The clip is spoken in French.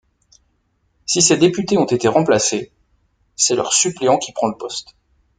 Si ces députés ont été remplacés, c'est leur suppléant qui prend le poste.